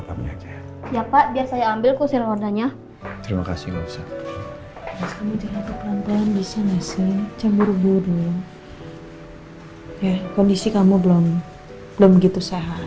permisi pak bu